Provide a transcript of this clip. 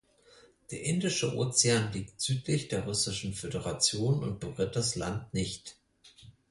Der Indische Ozean liegt südlich der Russischen Föderation und berührt das Land nicht.